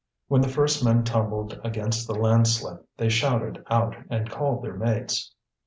When the first men tumbled against the landslip, they shouted out and called their mates.